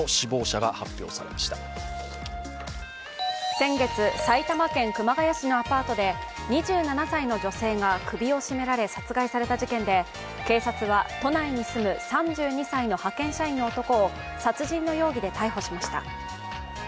先月、埼玉県熊谷市のアパートで２７歳の女性が首を絞められ殺害された事件で警察は都内に住む３２歳の派遣社員の男を殺人の容疑で逮捕しました。